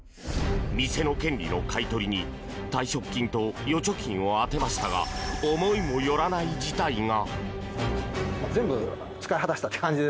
店の権利の買い取りに退職金と預貯金を充てましたが思いも寄らない事態が。